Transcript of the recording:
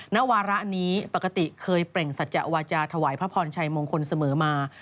ณวาระนี้ปกติเคยเปล่งสัจจะวาจาถวายพระพรชัยมงคลเสมอมา